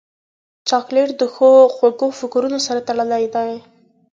چاکلېټ د ښو خوږو فکرونو سره تړلی دی.